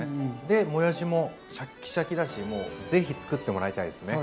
でもやしもシャッキシャキだしもう是非つくってもらいたいですね。